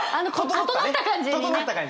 整った感じね！